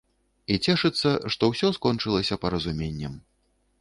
І цешыцца, што ўсё скончылася паразуменнем.